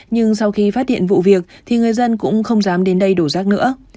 nhưng sau khi phát hiện vụ việc thì người dân cũng không dám đến đây đổ rác nữa